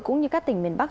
cũng như các tỉnh miền bắc